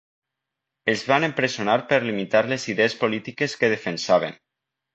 Els van empresonar per limitar les idees polítiques que defensaven.